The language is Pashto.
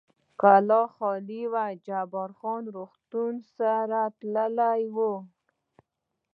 کلا خالي وه، جبار خان د روغتون سره تللی و.